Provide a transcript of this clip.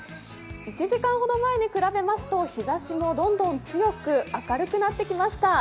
１時間ほど前に比べますと日ざしもどんどん強く明るくなってきました。